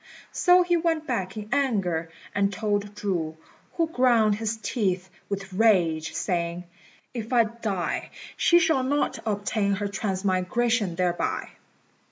So he went back in anger and told Chu, who ground his teeth with rage, saying, "If I die, she shall not obtain her transmigration thereby."